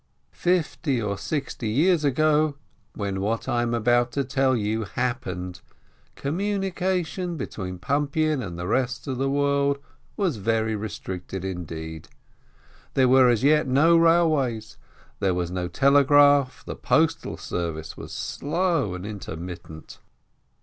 Fifty or sixty years ago, when what I am about to tell you happened, communication between Pumpian and the rest of the world was very restricted indeed: there were as yet no railways, there was no telegraph, the 2 14 BRAUDES postal service was slow and intermittent.